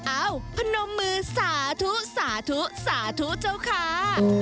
เอ้าพนมมือสาธุสาธุสาธุเจ้าค้า